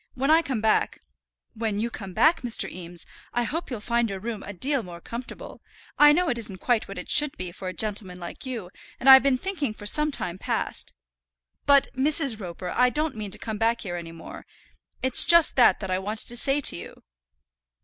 When I come back " "When you come back, Mr. Eames, I hope you'll find your room a deal more comfortable. I know it isn't quite what it should be for a gentleman like you, and I've been thinking for some time past " "But, Mrs. Roper, I don't mean to come back here any more. It's just that that I want to say to you."